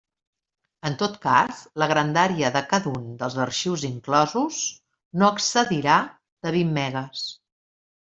En tot cas, la grandària de cada un dels arxius inclosos no excedirà de vint megues.